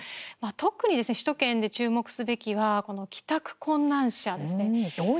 特にですね、首都圏で注目すべきは帰宅困難者ですね。